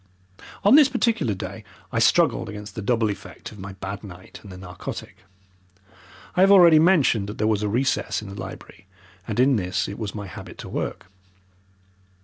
On this particular day I struggled against the double effect of my bad night and the narcotic. I have already mentioned that there was a recess in the library, and in this it was my habit to work.